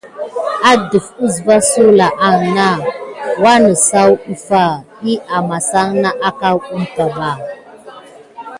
Adef əsva aŋ na sulà nà wanəsaw ɗəffa ɗiy amasan na akaw umpa ɓa.